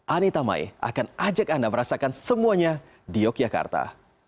anita mai akan ajak anda merasakan semuanya di yogyakarta